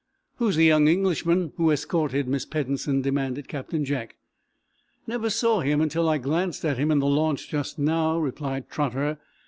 "Who's the young Englishman who escorted Miss Peddensen?" demanded Captain Jack. "Never saw him until I glanced at him in the launch just now," replied Trotter.